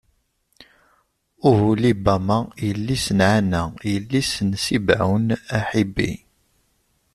Uhulibama, yelli-s n Ɛana, yelli-s n Ṣibɛun Aḥibi.